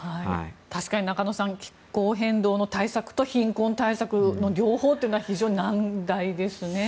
確かに中野さん気候変動の対策と貧困対策の両方というのは非常に難題ですね。